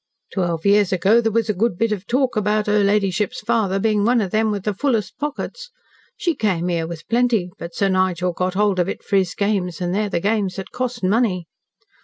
Twelve years ago there was a good bit of talk about her ladyship's father being one of them with the fullest pockets. She came here with plenty, but Sir Nigel got hold of it for his games, and they're the games that cost money.